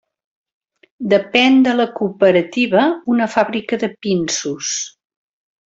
Depèn de la Cooperativa una fàbrica de pinsos.